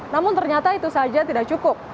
namun ternyata itu saja tidak cukup